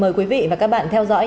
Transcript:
mời quý vị và các bạn theo dõi